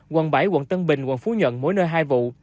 quận bảy quận tân bình quận phú nhuận mỗi nơi hai vụ